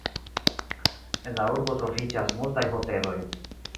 En la urbo troviĝas multaj hoteloj.